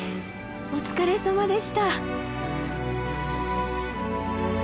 お疲れさまでした。